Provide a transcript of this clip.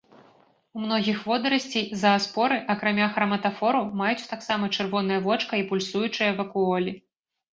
У многіх водарасцей зааспоры, акрамя храматафору, маюць таксама чырвонае вочка і пульсуючыя вакуолі.